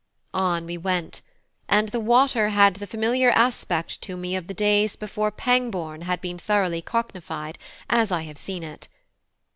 On we went; and the water had the familiar aspect to me of the days before Pangbourne had been thoroughly cocknified, as I have seen it.